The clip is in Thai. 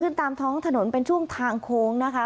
ตามท้องถนนเป็นช่วงทางโค้งนะคะ